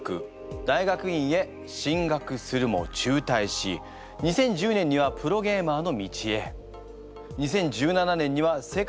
大学院へ進学するも中退し２０１０年にはプロゲーマーの道へ。